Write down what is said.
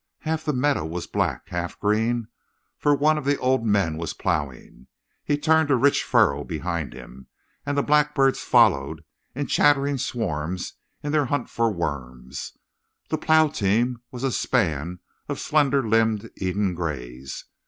Half the meadow was black, half green; for one of the old men was plowing. He turned a rich furrow behind him, and the blackbirds followed in chattering swarms in their hunt for worms. The plow team was a span of slender limbed Eden Grays.